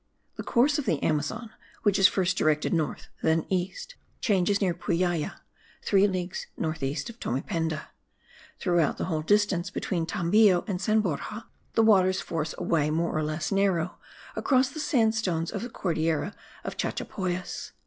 The course of the Amazon, which is first directed north, then east, changes near Puyaya, three leagues north east of Tomependa. Throughout the whole distance between Tambillo and San Borja, the waters force a way, more or less narrow, across the sandstones of the Cordillera of Chachapoyas.